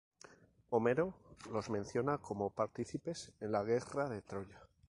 Homero los menciona como partícipes en la Guerra de Troya.